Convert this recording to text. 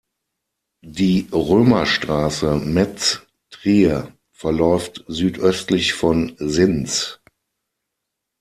Die Römerstraße Metz-Trier verläuft südöstlich von Sinz.